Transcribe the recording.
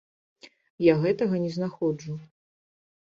Я гэтага не знаходжу.